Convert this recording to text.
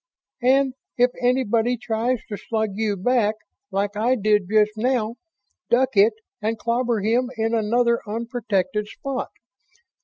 And it anybody tries to slug you back, like I did just now, duck it and clobber him in another unprotected spot.